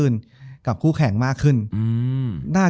จบการโรงแรมจบการโรงแรม